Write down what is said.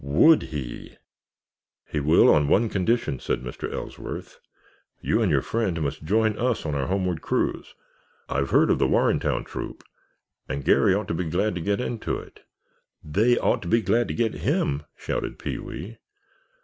Would he! "He will on one condition," said Mr. Ellsworth. "You and your friend must join us on our homeward cruise. I've heard of the Warrentown Troop and Garry ought to be glad to get into it——" "They ought to be glad to get him!" shouted Pee wee.